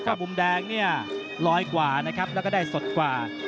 ถ้ามุมแดงเนี่ยร้อยกว่านะครับแล้วก็ได้สดกว่า